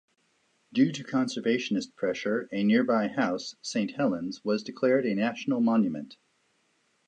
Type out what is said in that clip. Due to conservationist pressure, a nearby house, Saint Helen's, was declared a national monument.